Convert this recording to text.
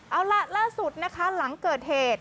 เอาล่ะล่าสุดนะคะหลังเกิดเหตุ